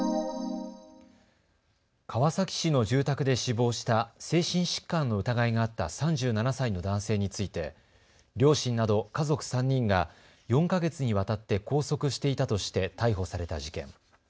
川崎市の住宅で死亡した精神疾患の疑いがあった３７歳の男性について両親など家族３人が４か月にわたって拘束していたとして逮捕された事件。